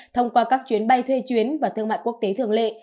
thông qua các chuyến bay thuê chuyến và thương mại quốc tế thường lệ